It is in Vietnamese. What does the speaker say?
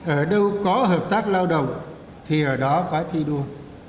ở đâu có hợp tác lao động thì ở đó có thi đua